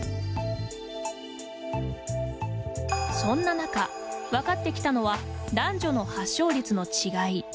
そんな中、分かってきたのは男女の発症率の違い。